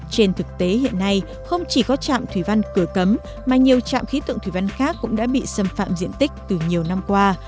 trên thực tế hiện nay không chỉ có trạm thủy văn cửa cấm mà nhiều trạm khí tượng thủy văn khác cũng đã bị xâm phạm diện tích từ nhiều năm qua